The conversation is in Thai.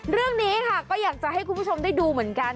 เรื่องนี้ค่ะก็อยากจะให้คุณผู้ชมได้ดูเหมือนกัน